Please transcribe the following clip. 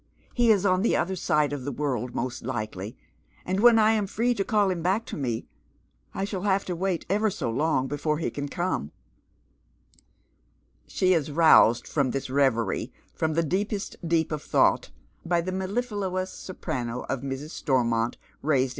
He is on the other side of the world, most likely, and when I am free to call him back to me, I shall have to wait ever so long before he can come." She is aroused fi om this reverie, from tlio deepest deep of thought, by the mellifluous soprano of Mi'S. Stormont, raised A Mysterious Visitor.